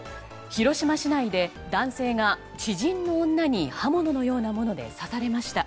広島市内で男性が知人の女に刃物のようなもので刺されました。